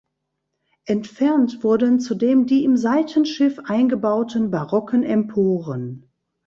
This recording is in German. Entfernt wurden zudem die im Seitenschiff eingebauten barocken Emporen.